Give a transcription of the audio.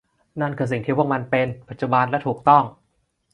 นั่นคือสิ่งที่พวกมันเป็น ปัจจุบันและถูกต้อง